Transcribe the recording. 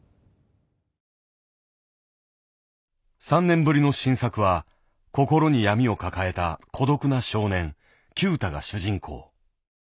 ３年ぶりの新作は心に闇を抱えた孤独な少年九太が主人公。